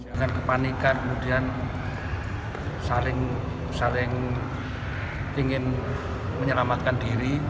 jangan kepanikan kemudian saling ingin menyelamatkan diri